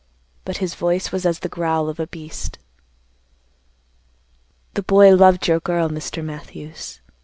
But his voice was as the growl of a beast. "The boy loved your girl, Mr. Matthews.